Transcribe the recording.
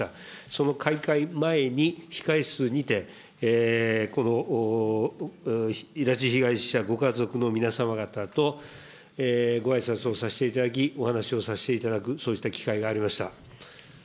その開会前に、控え室にて、拉致被害者ご家族の皆様方とごあいさつをさせていただき、お話をさせていただく、そうした機会がありました。